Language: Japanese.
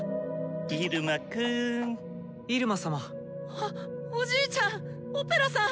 あっおじいちゃんオペラさん！